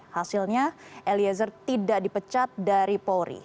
hasilnya eliezer tidak dipecat dari polri